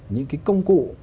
những công cụ